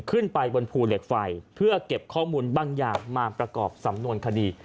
ขึ้นไปบนภูเหล็กไฟเพื่อเก็บข้อมูลบางอย่างมาประกอบสำนวนคดี